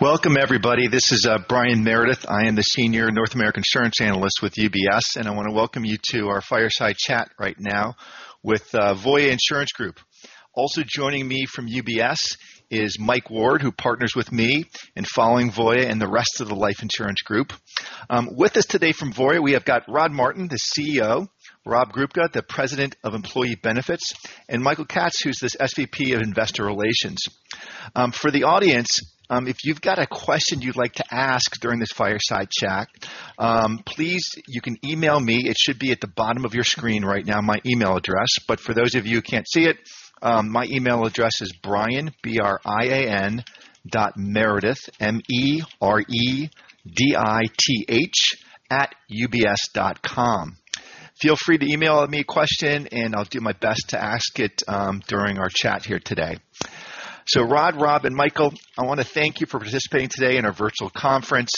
Welcome everybody. This is Brian Meredith. I am the Senior North American Insurance Analyst with UBS, and I want to welcome you to our Fireside Chat right now with Voya Insurance Group. Also joining me from UBS is Mike Ward, who partners with me in following Voya and the rest of the life insurance group. With us today from Voya, we have got Rod Martin, the CEO, Rob Grubka, the President of Employee Benefits, and Michael Katz, who's the SVP of Investor Relations. For the audience, if you've got a question you'd like to ask during this Fireside Chat, please, you can email me. It should be at the bottom of your screen right now, my email address. For those of you who can't see it, my email address is Brian, B-R-I-A-N, .Meredith, M-E-R-E-D-I-T-H, @ubs.com. Feel free to email me a question. I'll do my best to ask it during our chat here today. Rod, Rob, and Michael, I want to thank you for participating today in our virtual conference.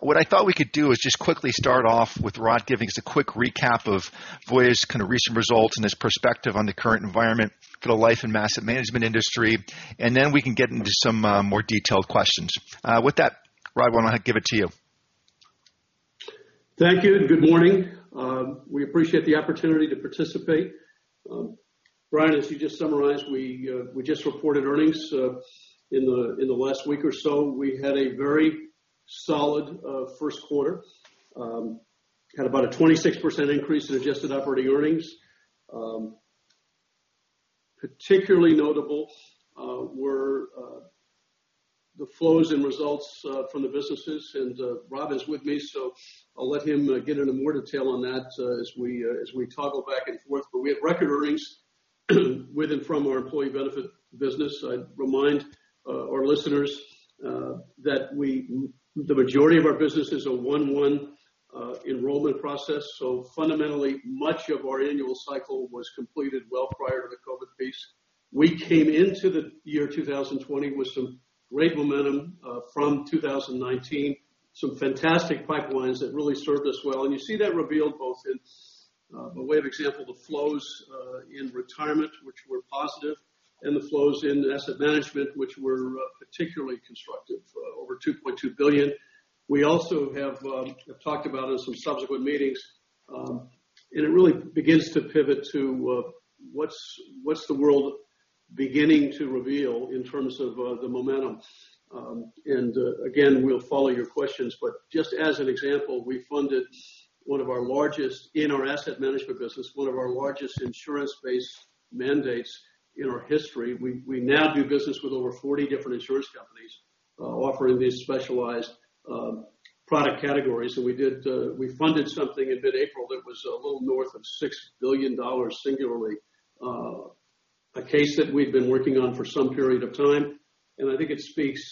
What I thought we could do is just quickly start off with Rod giving us a quick recap of Voya's kind of recent results and his perspective on the current environment for the life and asset management industry. Then we can get into some more detailed questions. With that, Rod, why don't I give it to you? Thank you. Good morning. We appreciate the opportunity to participate. Brian, as you just summarized, we just reported earnings in the last week or so. We had a very solid first quarter. Had about a 26% increase in adjusted operating earnings. Particularly notable were the flows and results from the businesses, and Rob is with me, so I'll let him get into more detail on that as we toggle back and forth. We had record earnings with and from our Employee Benefit business. I remind our listeners that the majority of our business is a one-one enrollment process, fundamentally, much of our annual cycle was completed well prior to the COVID phase. We came into the year 2020 with some great momentum from 2019, some fantastic pipelines that really served us well. You see that revealed both in, by way of example, the flows in retirement, which were positive, and the flows in asset management, which were particularly constructive, over $2.2 billion. We also have talked about in some subsequent meetings. It really begins to pivot to what's the world beginning to reveal in terms of the momentum. Again, we'll follow your questions, just as an example, we funded one of our largest, in our asset management business, one of our largest insurance-based mandates in our history. We now do business with over 40 different insurance companies offering these specialized product categories. We funded something in mid-April that was a little north of $6 billion singularly. A case that we've been working on for some period of time. I think it speaks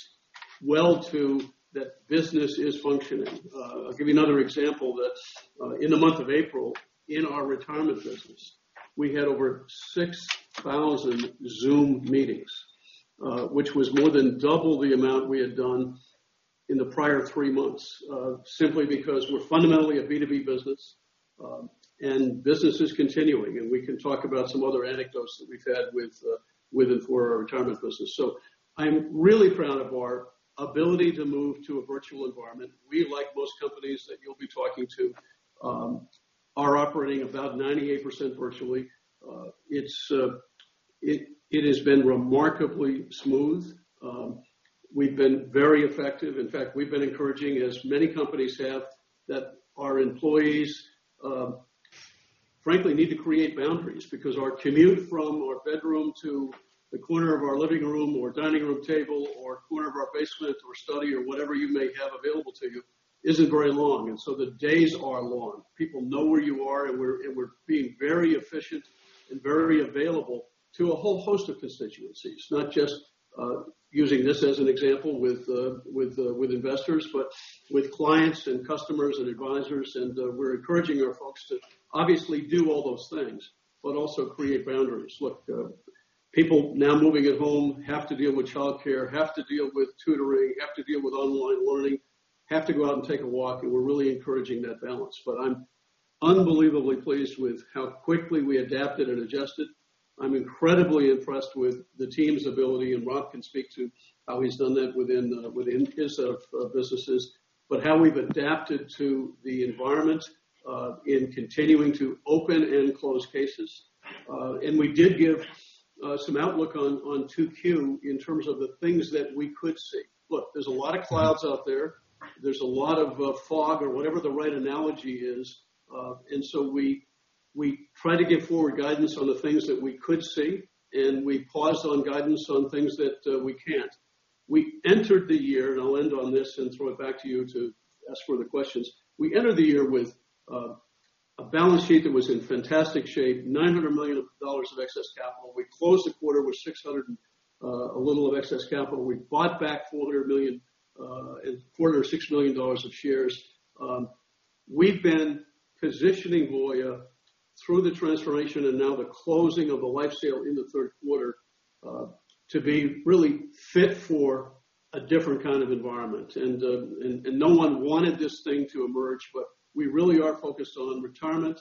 well to that business is functioning. I'll give you another example that in the month of April, in our retirement business, we had over 6,000 Zoom meetings, which was more than double the amount we had done in the prior three months, simply because we're fundamentally a B2B business is continuing. We can talk about some other anecdotes that we've had with it for our retirement business. I'm really proud of our ability to move to a virtual environment. We, like most companies that you'll be talking to, are operating about 98% virtually. It has been remarkably smooth. We've been very effective. In fact, we've been encouraging, as many companies have, that our employees frankly need to create boundaries because our commute from our bedroom to the corner of our living room or dining room table or corner of our basement or study or whatever you may have available to you, isn't very long, the days are long. People know where you are, we're being very efficient and very available to a whole host of constituencies, not just using this as an example with investors, but with clients and customers and advisors. We're encouraging our folks to obviously do all those things, but also create boundaries. Look, people now moving at home have to deal with childcare, have to deal with tutoring, have to deal with online learning, have to go out and take a walk, and we're really encouraging that balance. I'm unbelievably pleased with how quickly we adapted and adjusted. I'm incredibly impressed with the team's ability, Rob can speak to how he's done that within his businesses, but how we've adapted to the environment in continuing to open and close cases. We did give some outlook on 2Q in terms of the things that we could see. Look, there's a lot of clouds out there. There's a lot of fog or whatever the right analogy is. We try to give forward guidance on the things that we could see, and we pause on guidance on things that we can't. We entered the year, and I'll end on this and throw it back to you to ask further questions, we entered the year with a balance sheet that was in fantastic shape, $900 million of excess capital. We closed the quarter with 600 and a little of excess capital. We bought back $4.06 billion of shares. We've been positioning Voya through the transformation and now the closing of the life sale in the third quarter, to be really fit for a different kind of environment. No one wanted this thing to emerge, but we really are focused on retirement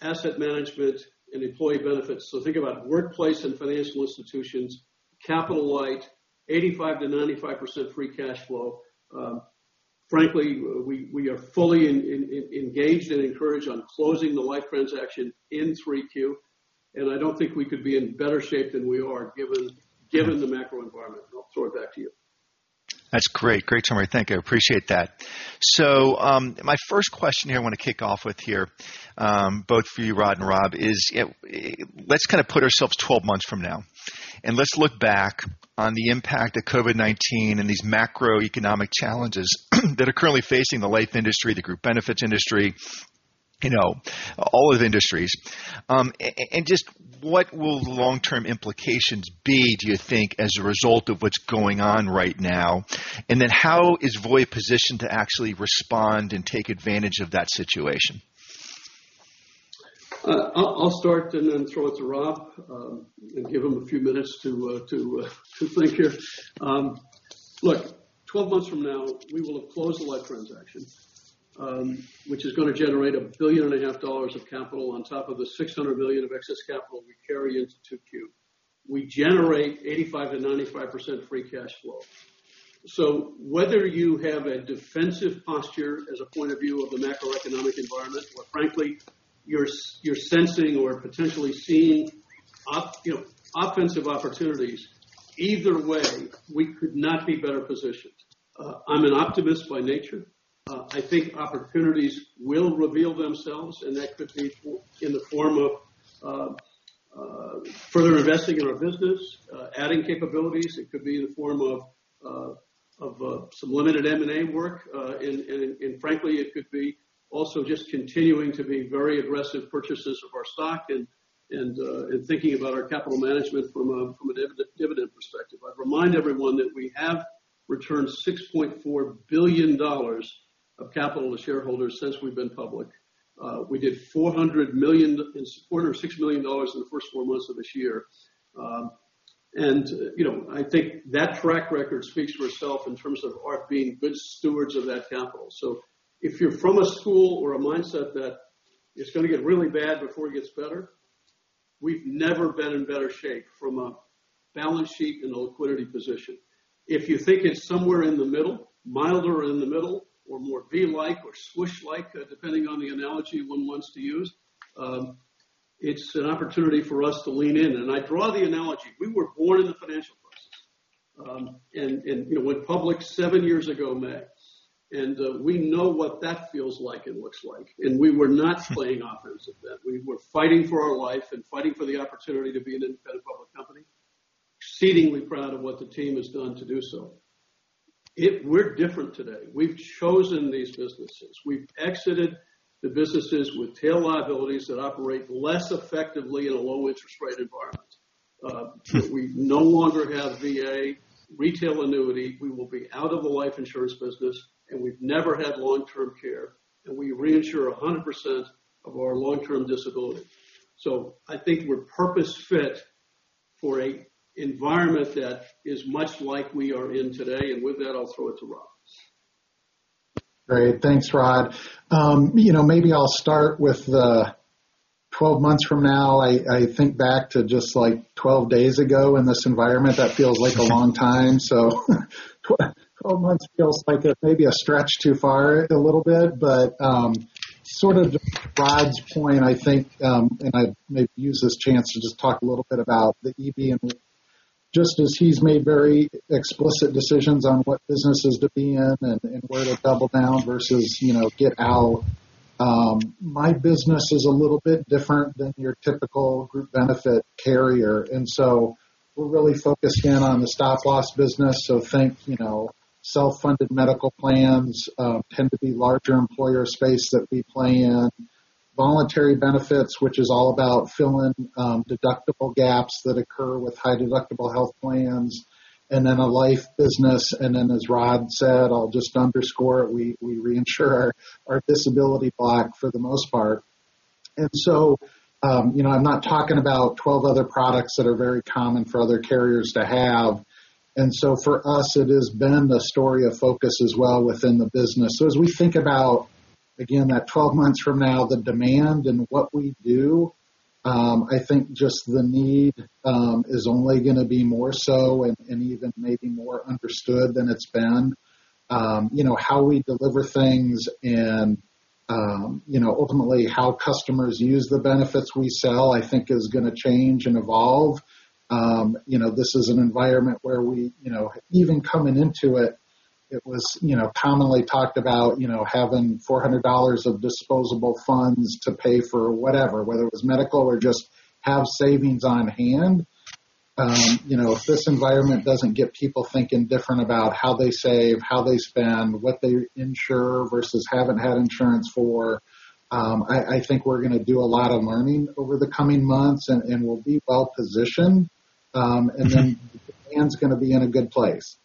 asset management and employee benefits. Think about workplace and financial institutions, capital light, 85%-95% free cash flow. Frankly, we are fully engaged and encouraged on closing the life transaction in 3Q, I don't think we could be in better shape than we are given the macro environment. I'll throw it back to you. That's great. Great summary. Thank you, appreciate that. My first question here I want to kick off with here, both for you, Rod and Rob, is let's kind of put ourselves 12 months from now, and let's look back on the impact of COVID-19 and these macroeconomic challenges that are currently facing the life industry, the group benefits industry, all of the industries. Just what will the long-term implications be, do you think, as a result of what's going on right now? Then how is Voya Financial positioned to actually respond and take advantage of that situation? I'll start and then throw it to Rob, and give him a few minutes to think here. Look, 12 months from now, we will have closed the life transaction, which is going to generate a billion and a half dollars of capital on top of the $600 million of excess capital we carry into 2Q. We generate 85%-95% free cash flow. Whether you have a defensive posture as a point of view of the macroeconomic environment or frankly, you're sensing or potentially seeing offensive opportunities, either way, we could not be better positioned. I'm an optimist by nature. I think opportunities will reveal themselves, and that could be in the form of further investing in our business, adding capabilities. It could be in the form of some limited M&A work. Frankly, it could be also just continuing to be very aggressive purchasers of our stock and thinking about our capital management from a dividend perspective. I'd remind everyone that we have returned $6.4 billion of capital to shareholders since we've been public. We did $406 million in the first four months of this year. I think that track record speaks for itself in terms of our being good stewards of that capital. If you're from a school or a mindset that it's going to get really bad before it gets better, we've never been in better shape from a balance sheet and a liquidity position. If you think it's somewhere in the middle, milder in the middle, or more V-like or swoosh-like, depending on the analogy one wants to use, it's an opportunity for us to lean in. I draw the analogy, we were born in the financial crisis, and went public seven years ago May. We know what that feels like and looks like. We were not playing offense at that. We were fighting for our life and fighting for the opportunity to be an independent public company. Exceedingly proud of what the team has done to do so. We're different today. We've chosen these businesses. We've exited the businesses with tail liabilities that operate less effectively in a low interest rate environment. We no longer have VA retail annuity. We will be out of the life insurance business, and we've never had long-term care, and we reinsure 100% of our long-term disability. I think we're purpose-fit for an environment that is much like we are in today. With that, I'll throw it to Rob. Great. Thanks, Rod. Maybe I'll start with the 12 months from now. I think back to just 12 days ago in this environment, that feels like a long time, so 12 months feels like it may be a stretch too far a little bit. Sort of Rod's point, I think, I may use this chance to just talk a little bit about the EB and just as he's made very explicit decisions on what businesses to be in and where to double down versus get out. My business is a little bit different than your typical group benefit carrier. We're really focused in on the stop-loss business. Think, self-funded medical plans tend to be larger employer space that we play in. Voluntary benefits, which is all about filling deductible gaps that occur with high deductible health plans, and then a life business, and then as Rod said, I'll just underscore it, we reinsure our disability block for the most part. I'm not talking about 12 other products that are very common for other carriers to have. For us, it has been the story of focus as well within the business. As we think about, again, that 12 months from now, the demand and what we do, I think just the need, is only going to be more so and even maybe more understood than it's been. How we deliver things and, ultimately how customers use the benefits we sell, I think is going to change and evolve. This is an environment where we, even coming into it was commonly talked about having $400 of disposable funds to pay for whatever, whether it was medical or just have savings on hand. If this environment doesn't get people thinking different about how they save, how they spend, what they insure versus haven't had insurance for, I think we're going to do a lot of learning over the coming months, and we'll be well-positioned, demand's going to be in a good place.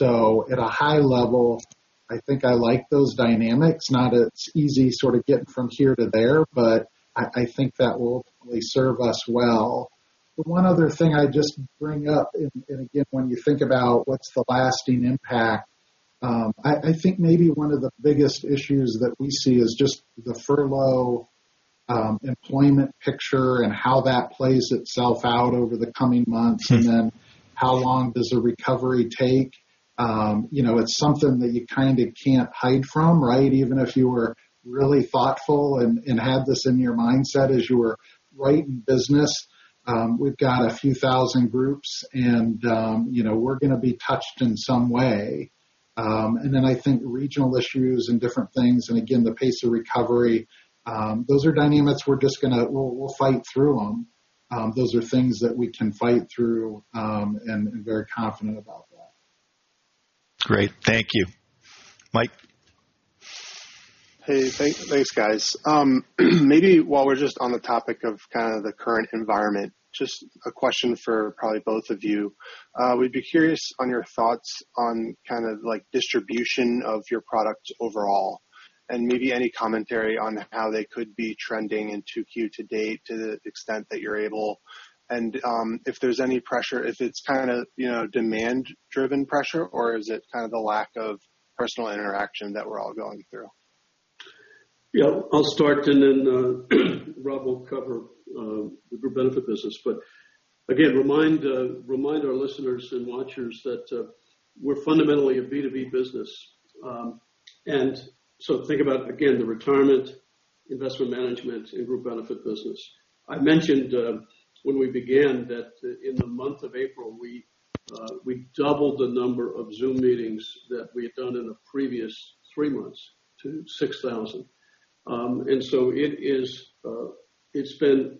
At a high level, I think I like those dynamics. Not it's easy sort of getting from here to there, I think that will serve us well. The one other thing I'd just bring up, when you think about what's the lasting impact I think maybe one of the biggest issues that we see is just the furlough employment picture and how that plays itself out over the coming months, how long does a recovery take? It's something that you can't hide from, right? Even if you were really thoughtful and had this in your mindset as you were right in business. We've got a few thousand groups, we're going to be touched in some way. I think regional issues and different things, again, the pace of recovery, those are dynamics we're just going to fight through them. Those are things that we can fight through, and I'm very confident about that. Great. Thank you. Mike? Hey, thanks guys. Maybe while we're just on the topic of the current environment, just a question for probably both of you. We'd be curious on your thoughts on distribution of your products overall, and maybe any commentary on how they could be trending in 2Q to date to the extent that you're able. If there's any pressure, if it's demand-driven pressure, or is it the lack of personal interaction that we're all going through? Yeah. I'll start, and then Rob will cover the group benefit business. Again, remind our listeners and watchers that we're fundamentally a B2B business. Think about, again, the retirement investment management and group benefit business. I mentioned when we began that in the month of April, we doubled the number of Zoom meetings that we had done in the previous three months to 6,000. It's been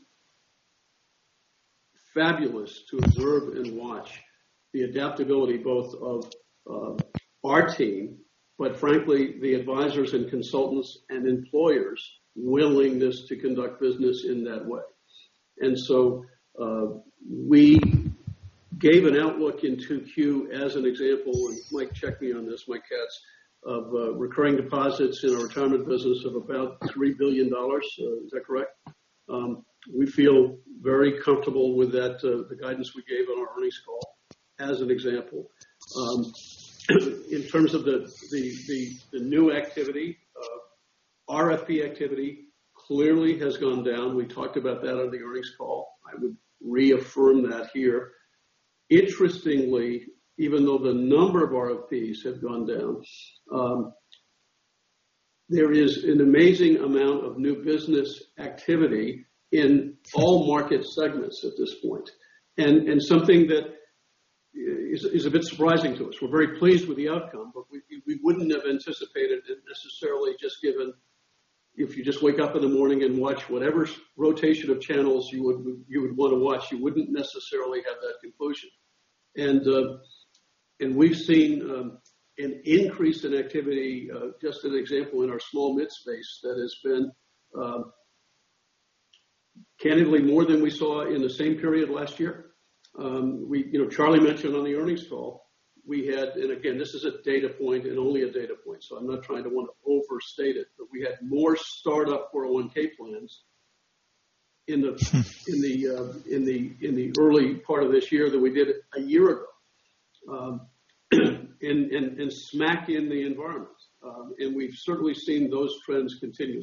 fabulous to observe and watch the adaptability both of our team, but frankly, the advisors and consultants and employers' willingness to conduct business in that way. We gave an outlook in 2Q as an example, and Mike, check me on this, Mike Katz, of recurring deposits in our retirement business of about $3 billion. Is that correct? We feel very comfortable with the guidance we gave on our earnings call as an example. In terms of the new activity, RFP activity clearly has gone down. We talked about that on the earnings call. I would reaffirm that here. Interestingly, even though the number of RFPs have gone down, there is an amazing amount of new business activity in all market segments at this point, and something that is a bit surprising to us. We're very pleased with the outcome, but we wouldn't have anticipated it necessarily just given if you just wake up in the morning and watch whatever rotation of channels you would want to watch, you wouldn't necessarily have that conclusion. We've seen an increase in activity, just an example in our small mid space that has been candidly more than we saw in the same period last year. Charlie mentioned on the earnings call, we had, and again, this is a data point and only a data point, so I'm not trying to overstate it, but we had more startup 401 plans in the early part of this year than we did a year ago, smack in the environment. We've certainly seen those trends continue.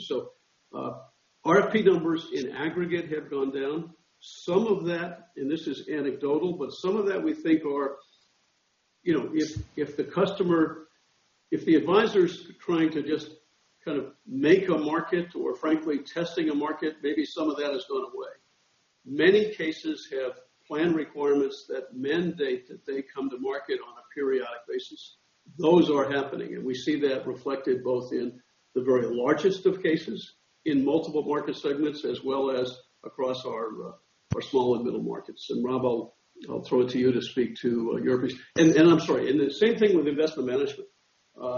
RFP numbers in aggregate have gone down. Some of that, and this is anecdotal, but some of that we think are if the advisor's trying to just kind of make a market or frankly, testing a market, maybe some of that has gone away. Many cases have plan requirements that mandate that they come to market on a periodic basis. Those are happening, and we see that reflected both in the very largest of cases in multiple market segments, as well as across our small and middle markets. Rob, I'll throw it to you to speak to your piece. I'm sorry, and the same thing with investment management. I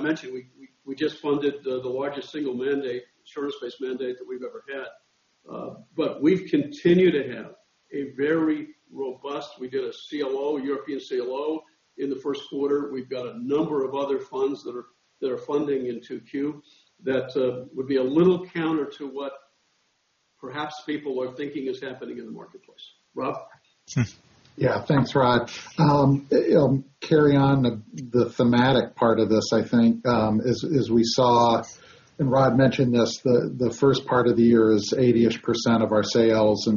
mentioned we just funded the largest single mandate, insurance-based mandate that we've ever had. We've continued to have a very robust. We did a CLO, European CLO in the first quarter. We've got a number of other funds that are funding in 2Q that would be a little counter to what perhaps people are thinking is happening in the marketplace. Rob? Yeah. Thanks, Rod. I'll carry on the thematic part of this, I think, is we saw, and Rod mentioned this, the first part of the year is 80-ish% of our sales. On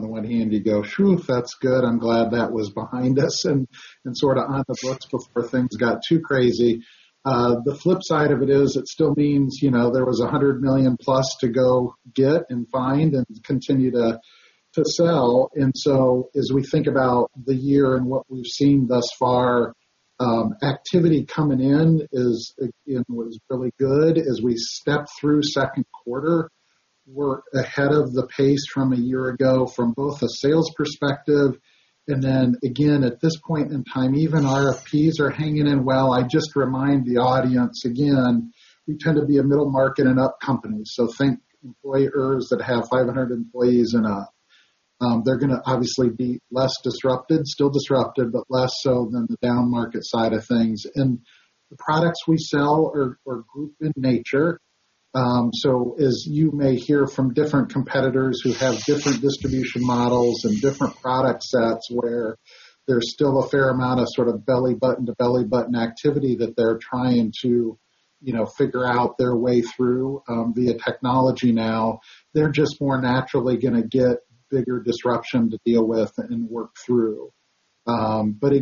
the one hand, you go, "Phew, that's good. I'm glad that was behind us and sort of on the books before things got too crazy." The flip side of it is, it still means there was $100 million+ to go get and find and continue to sell. As we think about the year and what we've seen thus far, activity coming in is, again, was really good. As we step through second quarter, we're ahead of the pace from a year ago from both a sales perspective, and then again, at this point in time, even RFPs are hanging in well. I just remind the audience again, we tend to be a middle-market and up company. Think employers that have 500 employees and up. They're going to obviously be less disrupted, still disrupted, but less so than the downmarket side of things. The products we sell are group in nature. As you may hear from different competitors who have different distribution models and different product sets, where there's still a fair amount of belly button to belly button activity that they're trying to figure out their way through, via technology now, they're just more naturally going to get bigger disruption to deal with and work through.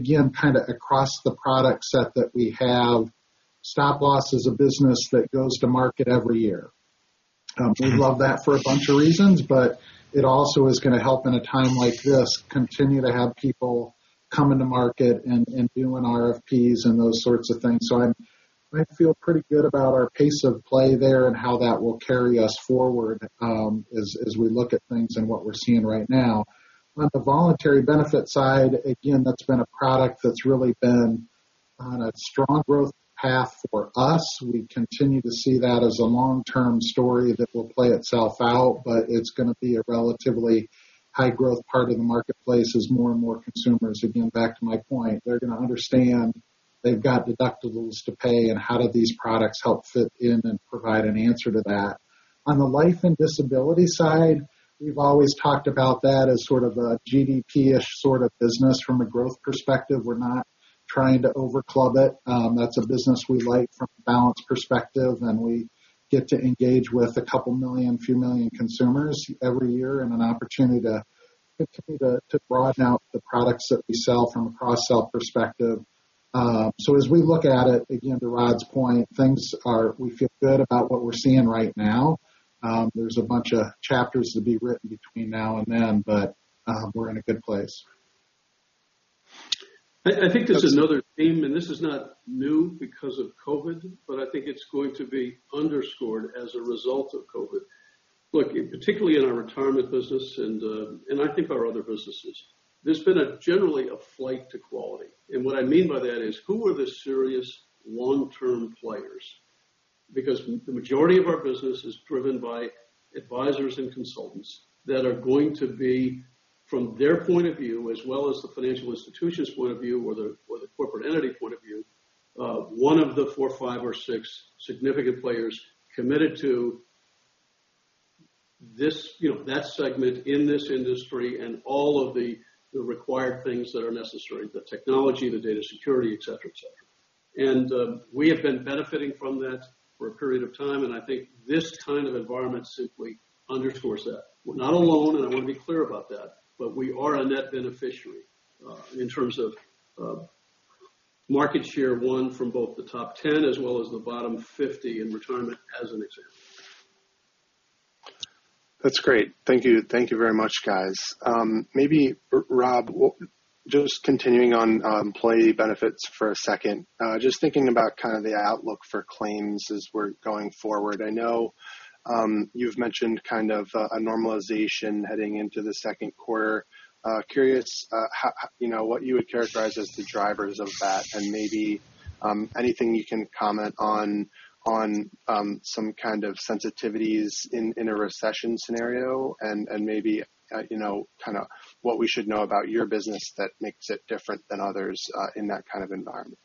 Again, kind of across the product set that we have, stop-loss is a business that goes to market every year. It also is going to help in a time like this, continue to have people come into market and doing RFPs and those sorts of things. I feel pretty good about our pace of play there and how that will carry us forward, as we look at things and what we're seeing right now. On the voluntary benefit side, again, that's been a product that's really been on a strong growth path for us. We continue to see that as a long-term story that will play itself out, but it's going to be a relatively high growth part of the marketplace as more and more consumers, again, back to my point, they're going to understand they've got deductibles to pay and how do these products help fit in and provide an answer to that. On the life and disability side, we've always talked about that as sort of a GDP-ish sort of business from a growth perspective. We're not trying to over club it. That's a business we like from a balance perspective, and we get to engage with a couple million, few million consumers every year, and an opportunity to broaden out the products that we sell from a cross-sell perspective. As we look at it, again, to Rod's point, we feel good about what we're seeing right now. There's a bunch of chapters to be written between now and then, but we're in a good place. I think there's another theme, this is not new because of COVID, but I think it's going to be underscored as a result of COVID. Look, particularly in our retirement business and I think our other businesses, there's been generally a flight to quality. What I mean by that is who are the serious long-term players? Because the majority of our business is driven by advisors and consultants that are going to be, from their point of view as well as the financial institutions' point of view or the corporate entity point of view, one of the four, five, or six significant players committed to that segment in this industry and all of the required things that are necessary, the technology, the data security, et cetera, et cetera. We have been benefiting from that for a period of time, and I think this kind of environment simply underscores that. We're not alone, and I want to be clear about that, but we are a net beneficiary, in terms of market share, one from both the top 10 as well as the bottom 50 in retirement as an example. That's great. Thank you. Thank you very much, guys. Rob, just continuing on employee benefits for a second. Just thinking about kind of the outlook for claims as we're going forward. I know, you've mentioned kind of a normalization heading into the second quarter. Curious, what you would characterize as the drivers of that and maybe anything you can comment on some kind of sensitivities in a recession scenario and maybe, kind of what we should know about your business that makes it different than others in that kind of environment.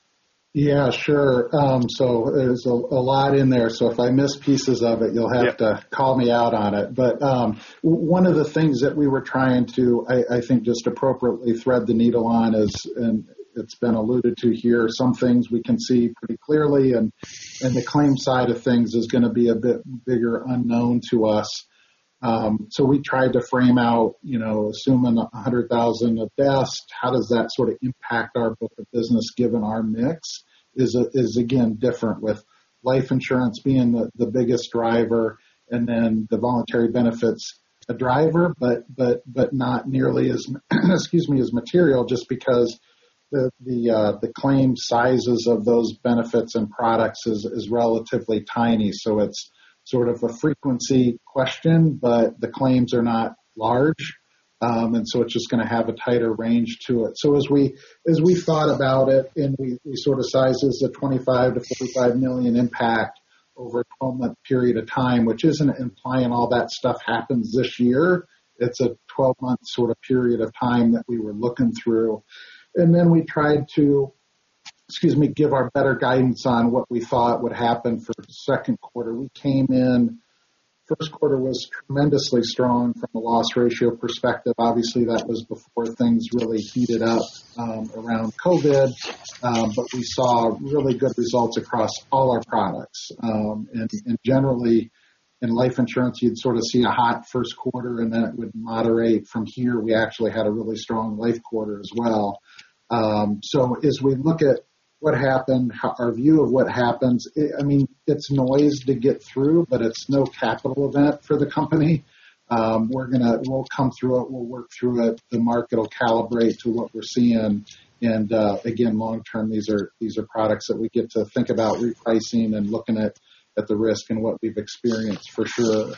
Yeah, sure. There's a lot in there, so if I miss pieces of it, you'll have to call me out on it. One of the things that we were trying to, I think, just appropriately thread the needle on is, and it's been alluded to here, some things we can see pretty clearly and the claims side of things is going to be a bit bigger unknown to us. We tried to frame out, assuming 100,000 at best, how does that sort of impact our book of business given our mix is again, different with life insurance being the biggest driver and then the voluntary benefits a driver but not nearly as excuse me, as material just because the claim sizes of those benefits and products is relatively tiny. So it's sort of a frequency question, but the claims are not large. It's just going to have a tighter range to it. As we thought about it, and we sort of sizes a $25 million-$55 million impact over a 12-month period of time, which isn't implying all that stuff happens this year. It's a 12-month sort of period of time that we were looking through. Then we tried to, excuse me, give our better guidance on what we thought would happen for the second quarter. We came in, first quarter was tremendously strong from a loss ratio perspective. Obviously, that was before things really heated up around COVID. We saw really good results across all our products. Generally in life insurance, you'd sort of see a hot first quarter, and then it would moderate from here. We actually had a really strong life quarter as well. As we look at what happened, our view of what happens, I mean, it's noise to get through, but it's no capital event for the company. We'll come through it. We'll work through it. The market will calibrate to what we're seeing. Again, long term, these are products that we get to think about repricing and looking at the risk and what we've experienced for sure.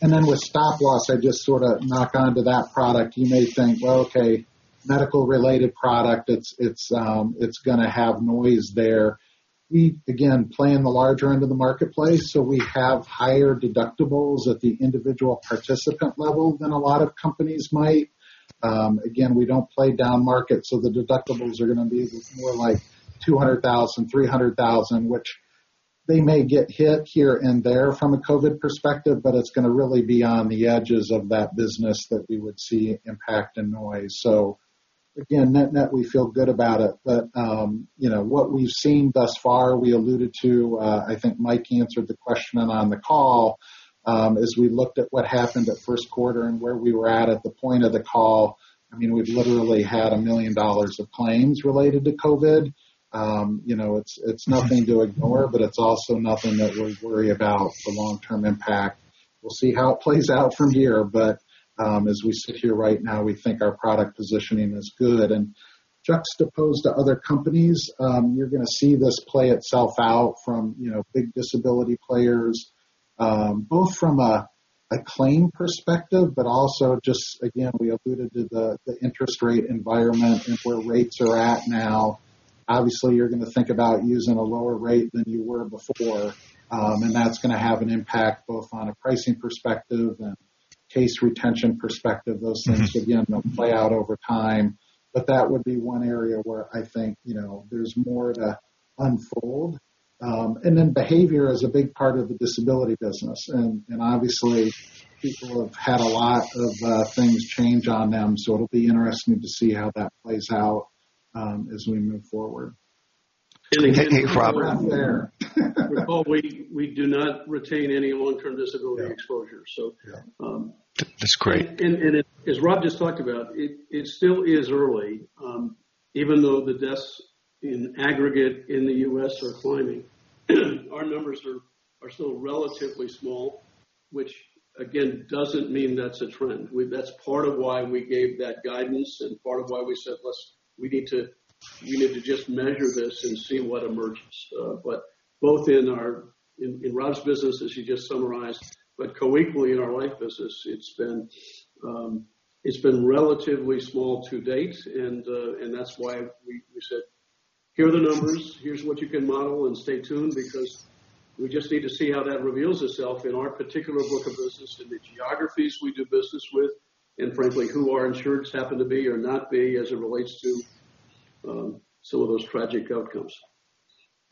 Then with stop-loss, I just sort of knock onto that product. You may think, well, okay, medical related product, it's going to have noise there. We, again, play in the larger end of the marketplace, so we have higher deductibles at the individual participant level than a lot of companies might. We don't play down market, so the deductibles are going to be more like $200,000, $300,000. They may get hit here and there from a COVID perspective, but it's going to really be on the edges of that business that we would see impact and noise. Net-net, we feel good about it. What we've seen thus far, we alluded to, I think Mike answered the question on the call, as we looked at what happened at first quarter and where we were at the point of the call, we've literally had $1 million of claims related to COVID. It's nothing to ignore, but it's also nothing that we worry about the long-term impact. We'll see how it plays out from here. As we sit here right now, we think our product positioning is good. Juxtaposed to other companies, you're going to see this play itself out from big disability players, both from a claim perspective, but also just, again, we alluded to the interest rate environment and where rates are at now. Obviously, you're going to think about using a lower rate than you were before, and that's going to have an impact both on a pricing perspective and case retention perspective. Those things, again, they'll play out over time. That would be one area where I think there's more to unfold. Behavior is a big part of the disability business, and obviously people have had a lot of things change on them, so it'll be interesting to see how that plays out as we move forward. Hey, Rob. We do not retain any long-term disability exposure. Yeah. That's great. As Rob just talked about, it still is early. Even though the deaths in aggregate in the U.S. are climbing, our numbers are still relatively small, which again, doesn't mean that's a trend. That's part of why we gave that guidance and part of why we said we need to just measure this and see what emerges. Both in Rob's business, as you just summarized, but co-equally in our life business, it's been relatively small to date, and that's why we said, "Here are the numbers, here's what you can model, and stay tuned because we just need to see how that reveals itself in our particular book of business, in the geographies we do business with, and frankly, who our insureds happen to be or not be as it relates to some of those tragic outcomes.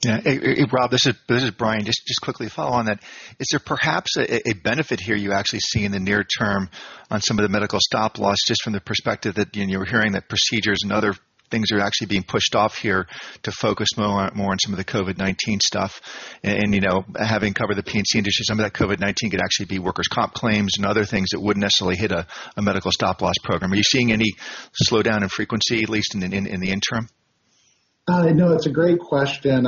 Yeah. Hey, Rob, this is Brian. Just quickly follow on that. Is there perhaps a benefit here you actually see in the near term on some of the medical stop-loss, just from the perspective that you were hearing that procedures and other things are actually being pushed off here to focus more on some of the COVID-19 stuff? Having covered the P&C industry, some of that COVID-19 could actually be workers' comp claims and other things that wouldn't necessarily hit a medical stop-loss program. Are you seeing any slowdown in frequency, at least in the interim? No, that's a great question.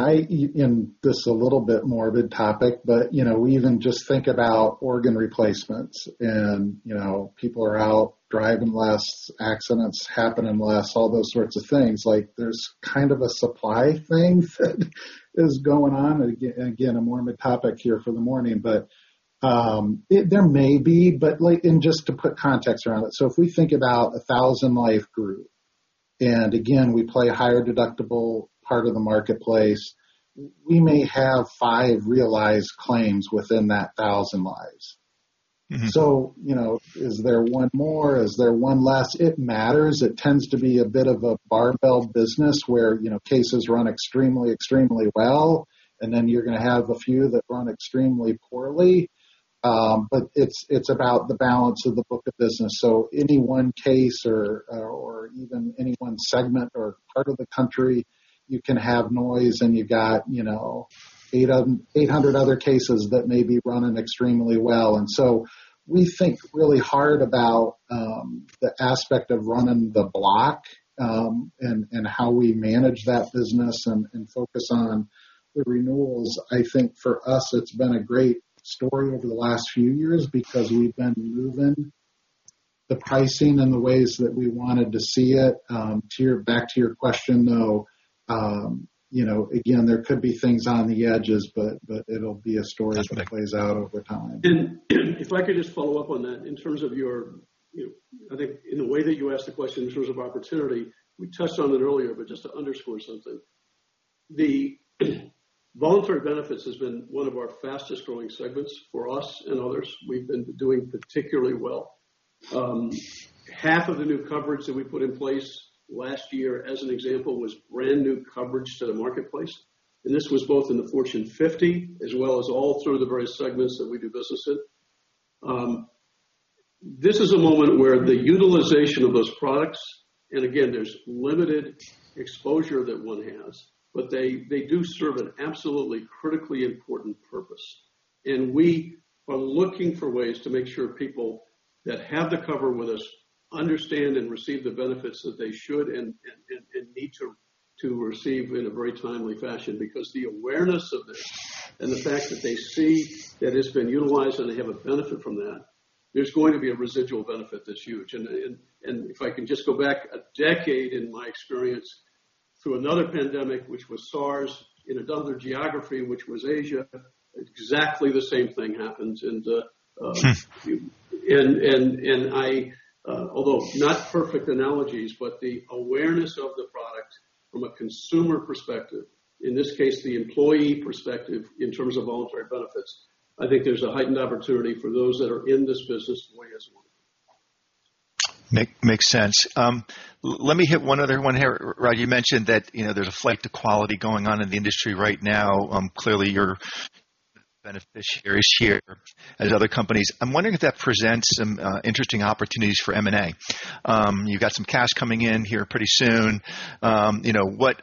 This a little bit morbid topic, but we even just think about organ replacements, and people are out driving less, accidents happening less, all those sorts of things. There's kind of a supply thing that is going on. Again, a morbid topic here for the morning. There may be, but, just to put context around it, if we think about 1,000 life group, and again, we play higher deductible part of the marketplace, we may have five realized claims within that 1,000 lives. Is there one more? Is there one less? It matters. It tends to be a bit of a barbell business where cases run extremely well, and then you're going to have a few that run extremely poorly. It's about the balance of the book of business. Any one case or even any one segment or part of the country, you can have noise, and you got 800 other cases that may be running extremely well. We think really hard about the aspect of running the block, and how we manage that business and focus on the renewals. I think for us, it's been a great story over the last few years because we've been moving the pricing in the ways that we wanted to see it. Back to your question, though, again, there could be things on the edges, but it'll be a story that plays out over time. If I could just follow up on that in terms of your, I think in the way that you asked the question in terms of opportunity, we touched on it earlier, but just to underscore something. The voluntary benefits has been one of our fastest growing segments for us and others. We've been doing particularly well. Half of the new coverage that we put in place last year, as an example, was brand-new coverage to the marketplace, and this was both in the Fortune 50 as well as all through the various segments that we do business in. This is a moment where the utilization of those products, and again, there's limited exposure that one has, but they do serve an absolutely critically important purpose. We are looking for ways to make sure people that have the cover with us understand and receive the benefits that they should and need to receive in a very timely fashion, because the awareness of this and the fact that they see that it's been utilized and they have a benefit from that, there's going to be a residual benefit that's huge. If I can just go back a decade in my experience through another pandemic, which was SARS, in another geography, which was Asia, exactly the same thing happened. Sure. Although not perfect analogies, the awareness of the product from a consumer perspective, in this case, the employee perspective in terms of voluntary benefits, I think there's a heightened opportunity for those that are in this business in a way as well. Makes sense. Let me hit one other one here. Rod, you mentioned that there's a flight to quality going on in the industry right now. Clearly, you're a beneficiary here as other companies. I'm wondering if that presents some interesting opportunities for M&A. You've got some cash coming in here pretty soon. What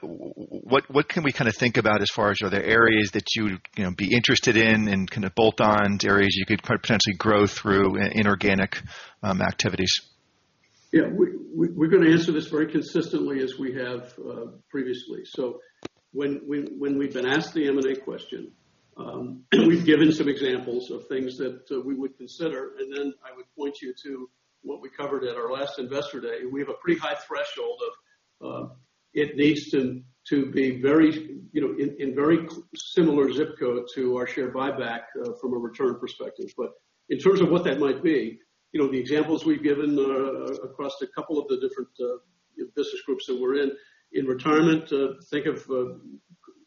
can we think about as far as, are there areas that you would be interested in and kind of bolt-ons, areas you could potentially grow through inorganic activities? Yeah. We're going to answer this very consistently as we have previously. When we've been asked the M&A question, we've given some examples of things that we would consider, and then I would point you to what we covered at our last Investor Day. We have a pretty high threshold of, it needs to be in very similar ZIP code to our share buyback from a return perspective. In terms of what that might be, the examples we've given across a couple of the different business groups that we're in retirement, think of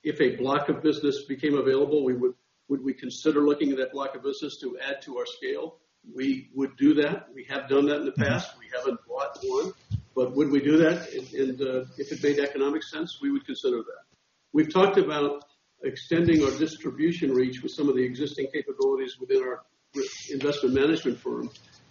if a block of business became available, would we consider looking at that block of business to add to our scale? We would do that. We have done that in the past. We haven't bought one. Would we do that? If it made economic sense, we would consider that. We've talked about extending our distribution reach with some of the existing capabilities within our investment management firm.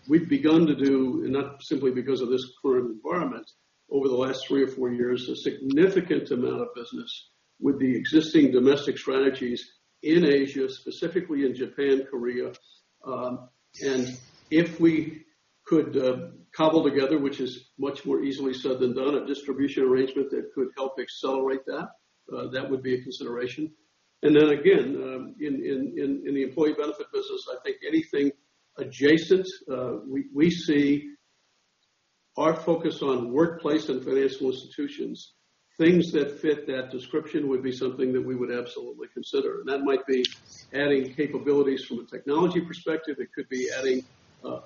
We've begun to do, not simply because of this current environment, over the last three or four years, a significant amount of business with the existing domestic strategies in Asia, specifically in Japan, Korea. If we could cobble together, which is much more easily said than done, a distribution arrangement that could help accelerate that would be a consideration. Then again, in the employee benefit business, I think anything adjacent, we see our focus on workplace and financial institutions. Things that fit that description would be something that we would absolutely consider. That might be adding capabilities from a technology perspective. It could be adding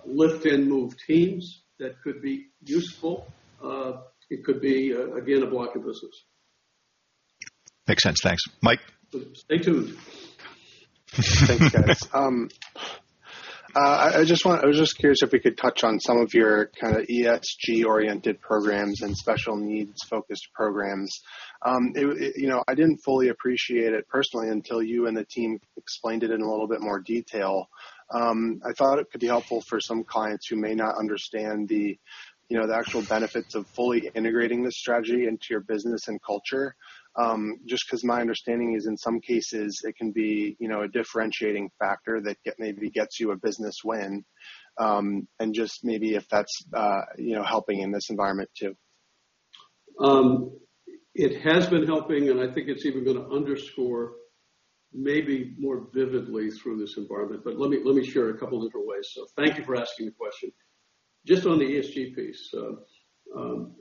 lift and move teams that could be useful. It could be, again, a block of business. Makes sense. Thanks. Mike? Stay tuned. Thanks, guys. I was curious if we could touch on some of your kind of ESG-oriented programs and special needs-focused programs. I didn't fully appreciate it personally until you and the team explained it in a little bit more detail. I thought it could be helpful for some clients who may not understand the actual benefits of fully integrating this strategy into your business and culture. Because my understanding is, in some cases, it can be a differentiating factor that maybe gets you a business win, and just maybe if that's helping in this environment, too. It has been helping, I think it's even going to underscore maybe more vividly through this environment. Let me share a couple of different ways. Thank you for asking the question. Just on the ESG piece.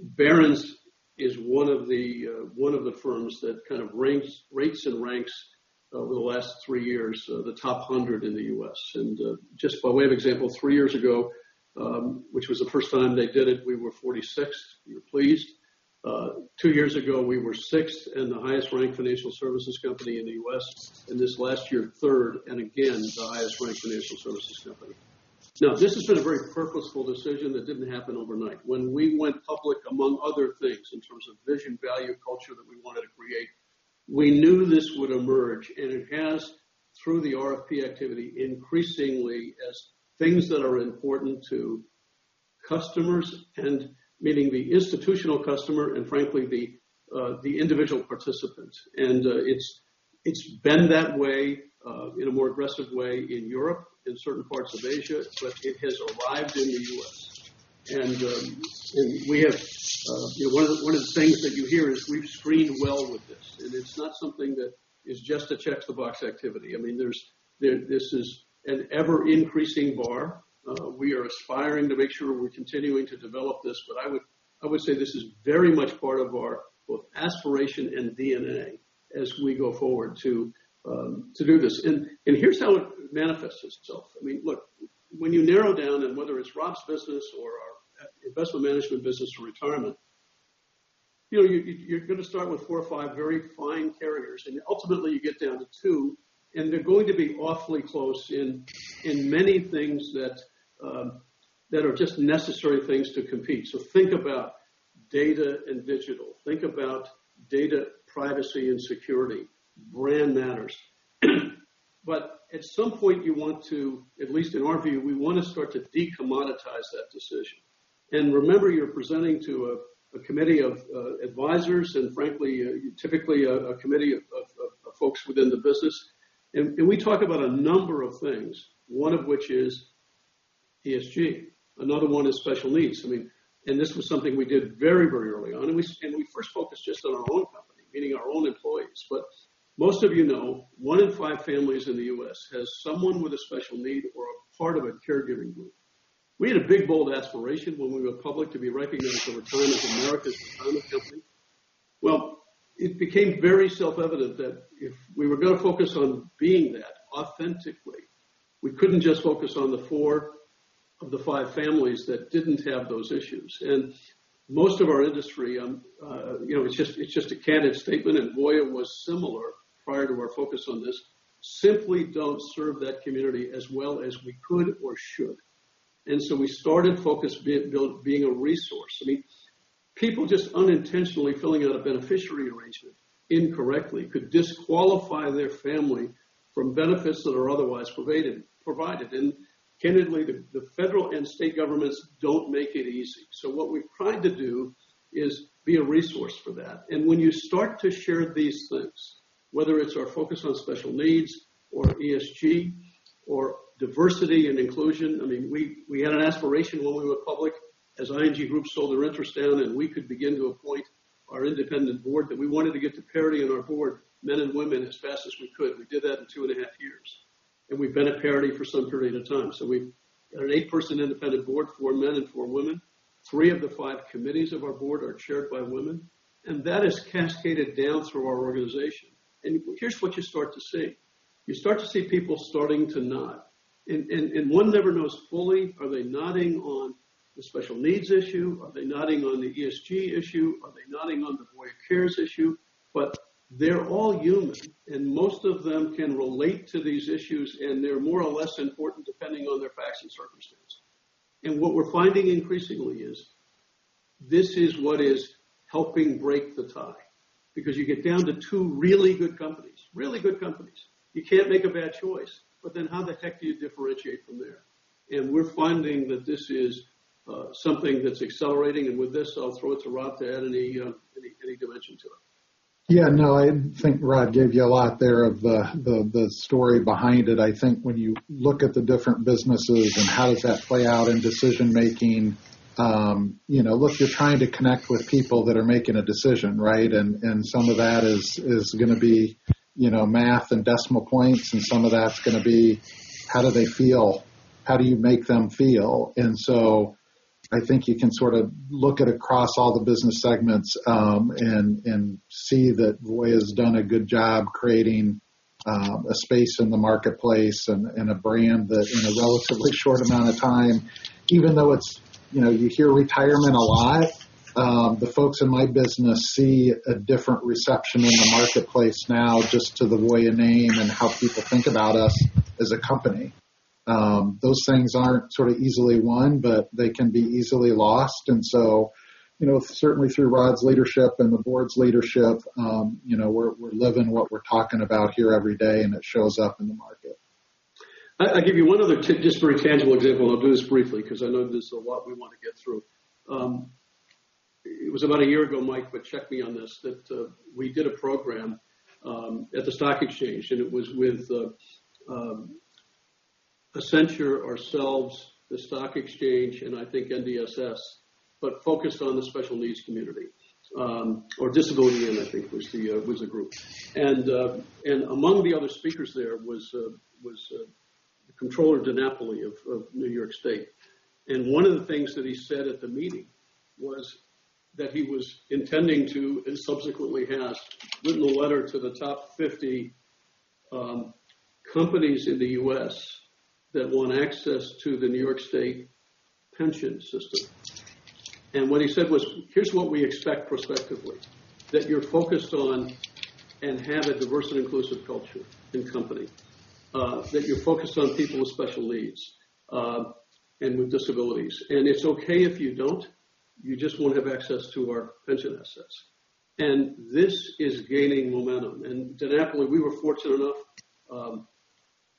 Barron's is one of the firms that kind of rates and ranks over the last three years the top 100 in the U.S. Just by way of example, three years ago, which was the first time they did it, we were 46th. We were pleased. Two years ago, we were sixth and the highest-ranked financial services company in the U.S., and this last year, third, and again, the highest-ranked financial services company. Now, this has been a very purposeful decision that didn't happen overnight. When we went public, among other things, in terms of vision, value, culture that we wanted to create, we knew this would emerge, and it has, through the RFP activity, increasingly as things that are important to customers and, meaning the institutional customer and frankly, the individual participant. It's been that way in a more aggressive way in Europe, in certain parts of Asia, but it has arrived in the U.S. One of the things that you hear is we've screened well with this, and it's not something that is just a check-the-box activity. I mean, this is an ever-increasing bar. We are aspiring to make sure we're continuing to develop this, I would say this is very much part of our both aspiration and DNA as we go forward to do this. Here's how it manifests itself. I mean, look, when you narrow down and whether it's Rob's business or our investment management business or retirement, you're going to start with four or five very fine carriers, and ultimately you get down to two, and they're going to be awfully close in many things that are just necessary things to compete. Think about data and digital. Think about data privacy and security. Brand matters. At some point you want to, at least in our view, we want to start to de-commoditize that decision. Remember, you're presenting to a committee of advisors and frankly, typically a committee of folks within the business. We talk about a number of things, one of which is ESG. Another one is special needs. I mean, this was something we did very, very early on, and we first focused just on our own company, meaning our own employees. Most of you know, one in five families in the U.S. has someone with a special need or a part of a caregiving group. We had a big, bold aspiration when we went public to be recognized over time as America's retirement company. Well, it became very self-evident that if we were going to focus on being that authentically, we couldn't just focus on the four of the five families that didn't have those issues. Most of our industry, it's just a candid statement, and Voya was similar prior to our focus on this Simply don't serve that community as well as we could or should. We started focus being a resource. People just unintentionally filling out a beneficiary arrangement incorrectly could disqualify their family from benefits that are otherwise provided. Candidly, the federal and state governments don't make it easy. What we've tried to do is be a resource for that. When you start to share these things, whether it's our focus on special needs or ESG or diversity and inclusion, we had an aspiration when we went public as ING Group sold their interest down, and we could begin to appoint our independent board, that we wanted to get to parity on our board, men and women, as fast as we could. We did that in two and a half years, and we've been at parity for some period of time. We've got an eight-person independent board, four men and four women. Three of the five committees of our board are chaired by women, and that has cascaded down through our organization. Here's what you start to see. You start to see people starting to nod, and one never knows fully, are they nodding on the special needs issue? Are they nodding on the ESG issue? Are they nodding on the Voya Cares issue? They're all human, and most of them can relate to these issues, and they're more or less important depending on their facts and circumstances. What we're finding increasingly is this is what is helping break the tie. Because you get down to two really good companies. You can't make a bad choice. How the heck do you differentiate from there? We're finding that this is something that's accelerating. With this, I'll throw it to Rob to add any dimension to it. No, I think Rod gave you a lot there of the story behind it. I think when you look at the different businesses and how does that play out in decision making, look, you're trying to connect with people that are making a decision, right? Some of that is going to be math and decimal points, and some of that's going to be how do they feel? How do you make them feel? I think you can look across all the business segments, and see that Voya's done a good job creating a space in the marketplace and a brand that in a relatively short amount of time, even though you hear retirement a lot, the folks in my business see a different reception in the marketplace now just to the Voya name and how people think about us as a company. Those things aren't easily won, but they can be easily lost. Certainly through Rod's leadership and the board's leadership, we're living what we're talking about here every day, and it shows up in the market. I'll give you one other just very tangible example, and I'll do this briefly because I know there's a lot we want to get through. It was about a year ago, Mike, but check me on this, that we did a program at the stock exchange, and it was with Accenture, ourselves, the stock exchange, and I think NDSS, but focused on the special needs community, or Disability:IN, I think was the group. One of the things that he said at the meeting was that he was intending to, and subsequently has, written a letter to the top 50 companies in the U.S. that want access to the New York State pension system. And what he said was, "Here's what we expect prospectively. That you're focused on and have a diverse and inclusive culture and company. That you're focused on people with special needs and with disabilities. And it's okay if you don't, you just won't have access to our pension assets." This is gaining momentum. DiNapoli, we were fortunate enough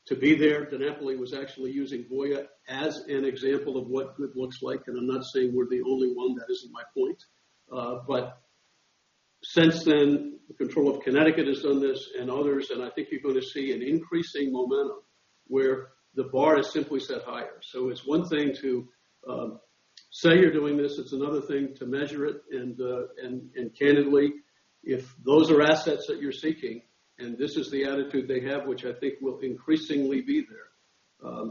to be there. DiNapoli was actually using Voya as an example of what good looks like. I'm not saying we're the only one. That isn't my point. Since then, the Comptroller of Connecticut has done this and others, and I think you're going to see an increasing momentum where the bar is simply set higher. So it's one thing to say you're doing this, it's another thing to measure it. Candidly, if those are assets that you're seeking and this is the attitude they have, which I think will increasingly be there,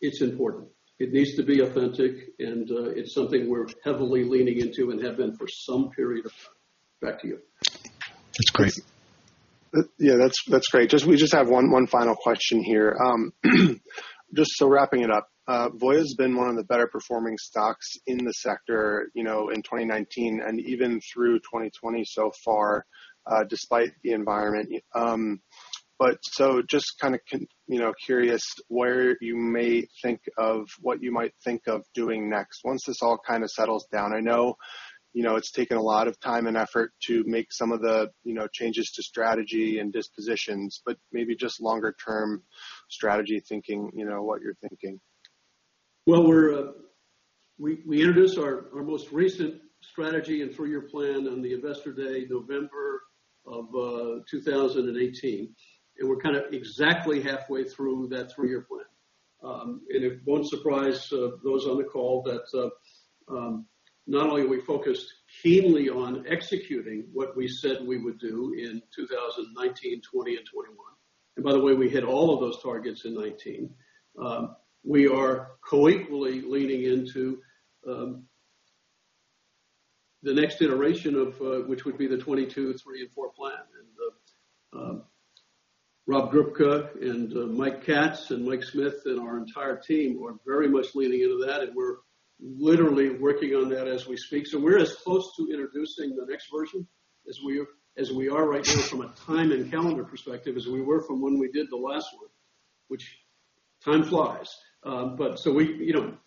it's important. It needs to be authentic, and it's something we're heavily leaning into and have been for some period of time. Back to you. That's great. Yeah. That's great. We just have one final question here. Wrapping it up, Voya's been one of the better performing stocks in the sector in 2019 and even through 2020 so far, despite the environment. Just curious where you may think of what you might think of doing next once this all settles down. I know it's taken a lot of time and effort to make some of the changes to strategy and dispositions, but maybe just longer term strategy thinking, what you're thinking. We introduced our most recent strategy and three-year plan on the Investor Day, November of 2018. We're exactly halfway through that three-year plan. It won't surprise those on the call that not only are we focused keenly on executing what we said we would do in 2019, 2020, and 2021. By the way, we hit all of those targets in 2019. We are coequally leaning into the next iteration, which would be the 2022, 2023, and 2024 plan. Rob Grubka and Mike Katz and Blake Smith and our entire team are very much leaning into that, and we're literally working on that as we speak. We're as close to introducing the next version as we are right now from a time and calendar perspective as we were from when we did the last one. Time flies.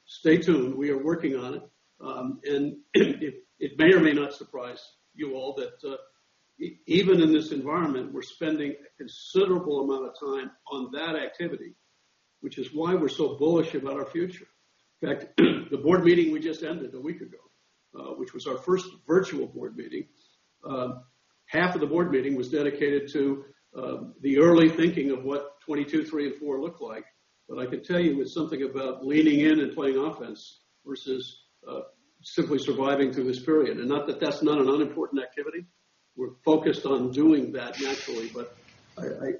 Stay tuned. We are working on it. It may or may not surprise you all that even in this environment, we're spending a considerable amount of time on that activity, which is why we're so bullish about our future. In fact, the board meeting we just ended a week ago, which was our first virtual board meeting, half of the board meeting was dedicated to the early thinking of what 2022, 2023, and 2024 look like. I can tell you, it's something about leaning in and playing offense versus simply surviving through this period. Not that that's an unimportant activity. We're focused on doing that naturally.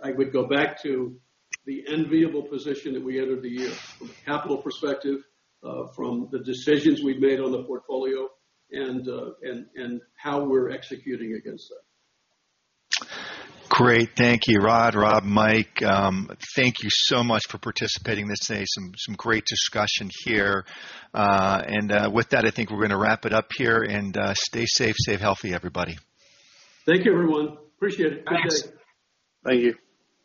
I would go back to the enviable position that we entered the year from a capital perspective, from the decisions we've made on the portfolio, and how we're executing against that. Great. Thank you, Rod, Rob, Mike. Thank you so much for participating this day. Some great discussion here. With that, I think we're going to wrap it up here and stay safe, stay healthy, everybody. Thank you, everyone. Appreciate it. Thanks. Thank you.